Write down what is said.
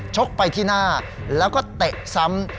กไปที่หน้าแล้วก็เตะซ้ำ